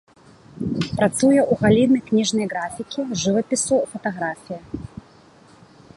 Працуе ў галіне кніжнай графікі, жывапісу, фатаграфіі.